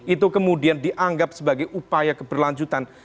itu kemudian dianggap sebagai upaya keberlanjutan